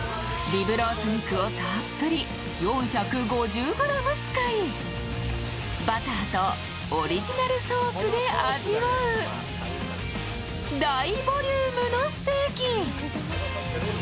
リブロース肉をたっぷり４５０ｇ使い、バターとオリジナルソースで味わう大ボリュームのステーキ。